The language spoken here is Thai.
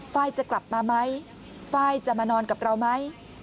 ไฟล์จะกลับมาไหมไฟล์จะมานอนกับเราไหม